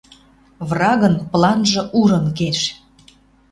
Врагын планжы урын кеш.